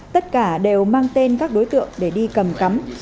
tất cả đều mang tên các đối tượng để đi cầm cắm